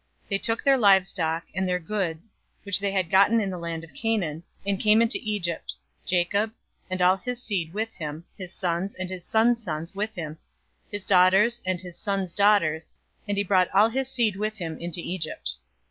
046:006 They took their livestock, and their goods, which they had gotten in the land of Canaan, and came into Egypt Jacob, and all his seed with him, 046:007 his sons, and his sons' sons with him, his daughters, and his sons' daughters, and he brought all his seed with him into Egypt.